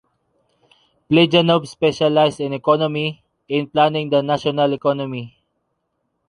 Plejánov specialized in economy, in planning the national economy.